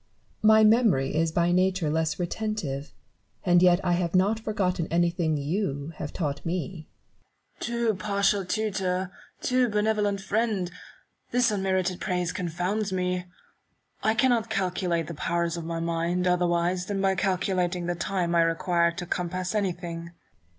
my memory is by nature less retentive : and yet I have not forgotten anything you taught me. Newton. Too partial tutor, too benevolent friend ! this unmerited praise confounds me. I cannot calculate the powers of my mind, otherwise than by calculating the time I require to compass anything.